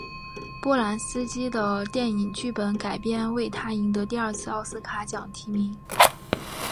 波兰斯基的电影剧本改编为他赢得第二次奥斯卡奖提名。